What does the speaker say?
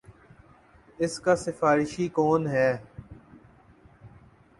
اس کا سفارشی کون ہے۔